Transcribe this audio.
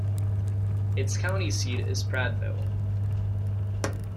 Its county seat is Prattville.